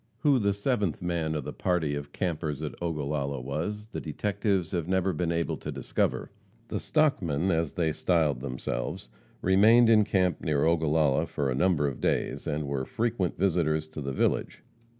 Who the seventh man of the party of "campers at Ogallala" was, the detectives have never been able to discover. The "stockmen," as they styled themselves, remained in camp near Ogallala for a number of days, and were frequent visitors to the village.